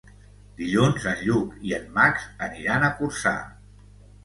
Dilluns en Lluc i en Max aniran a Corçà.